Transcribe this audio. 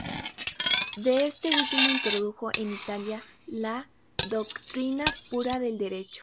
De este último introdujo en Italia la "Doctrina pura del derecho".